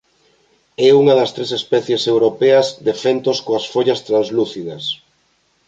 É unha das tres especies europeas de fentos coas follas translúcidas.